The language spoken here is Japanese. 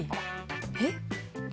えっ？